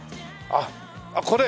あっこれ？